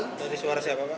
dari suara siapa pak